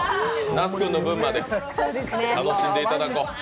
那須君の分まで楽しんでいただこう。